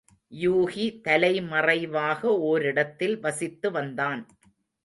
யூகி தலைமறைவாக ஓரிடத்தில் வசித்து வந்தான்.